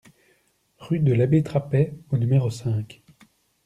Rue de l'Abbé Trapet au numéro cinq